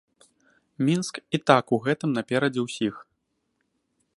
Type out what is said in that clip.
Мінск і так у гэтым наперадзе ўсіх.